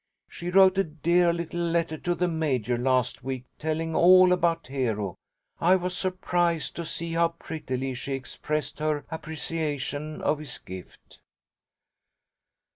She wrote a dear little letter to the Major, last week, telling all about Hero. I was surprised to see how prettily she expressed her appreciation of his gift."